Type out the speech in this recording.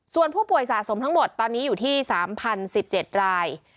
ส่วนผู้ป่วยสะสมทั้งหมดตอนนี้อยู่ที่๓๐๑๗ราย